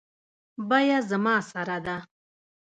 بیه زما سره ده